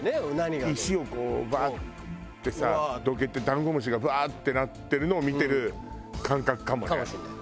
石をこうバッてさどけてダンゴムシがブワー！ってなってるのを見てる感覚かもね。かもしれない。